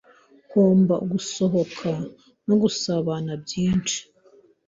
Ugomba gusohoka no gusabana byinshi.